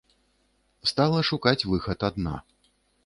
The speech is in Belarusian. Стала шукаць выхад адна.